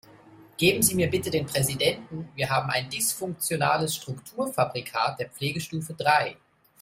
Geben Sie mir bitte den Präsidenten, wir haben ein dysfunktionales Strukturfabrikat der Pflegestufe drei.